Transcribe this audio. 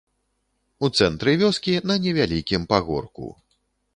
У цэнтры вёскі, на невялікім пагорку.